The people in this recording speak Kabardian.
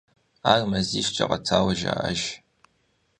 Ар мазищкӏэ къэтауэ жаӏэж.